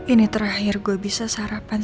ini terakhir gue bisa sarapan